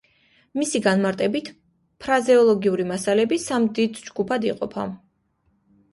მისი განმარტებით, ფრაზეოლოგიური მასალები სამ დიდ ჯგუფად იყოფა.